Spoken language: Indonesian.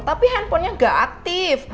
tapi handphonenya gak aktif